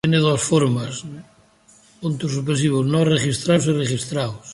Tiene dos formas: no registrados y registrados.